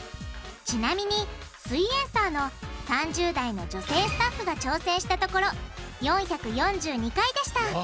ちなみに「すイエんサー」の３０代の女性スタッフが挑戦したところ４４２回でした！